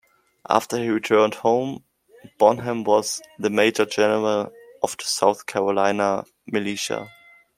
After he returned home, Bonham was the major general of the South Carolina Militia.